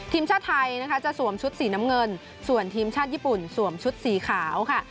ทีมชาติไทยนะคะจะสวมชุดสีน้ำเงินส่วนทีมชาติญี่ปุ่นสวมชุดสีขาวค่ะ